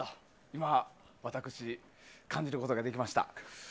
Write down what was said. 今、私感じることができました。